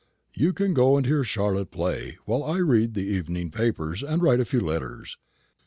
You can go and hear Charlotte play, while I read the evening papers and write a few letters.